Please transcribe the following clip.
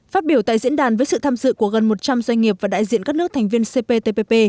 phát biểu tại diễn đàn với sự tham dự của gần một trăm linh doanh nghiệp và đại diện các nước thành viên cptpp